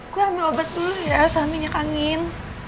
gue ambil obat dulu ya sama minyak angin